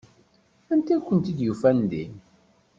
Anta i kent-id-yufan din?